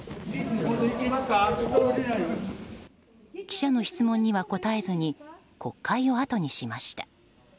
記者の質問には答えずに国会をあとにしました。